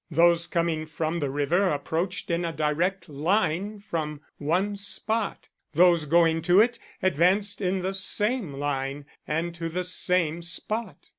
Those coming from the river approached in a direct line from one spot; those going to it advanced in the same line and to the same spot.